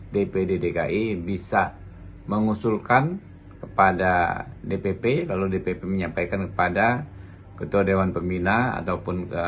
dpd dki bisa mengusulkan kepada dpp lalu dpp menyampaikan kepada ketua dewan pembina ataupun